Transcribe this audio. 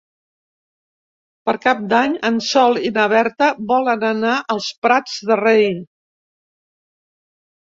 Per Cap d'Any en Sol i na Berta volen anar als Prats de Rei.